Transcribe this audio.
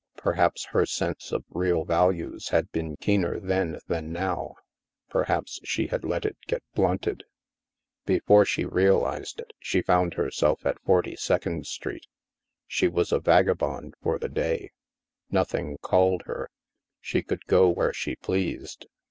Per haps her sense of real values had been keener then than now ; perhaps she had let it get blunted. Before she realized it, she found herself at Forty second Street. She was a vagabond for the day; nothing called her ; she could go where she pleased.